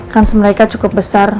kans mereka cukup besar